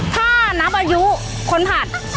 ถ้านับอายุคนผัด